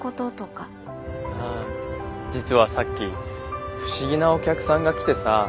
あ実はさっき不思議なお客さんが来てさ。